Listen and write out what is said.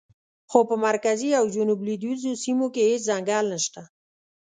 خو په مرکزي او جنوب لویدیځو سیمو کې هېڅ ځنګل نشته.